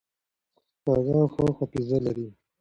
هغه ښه حافظه لري.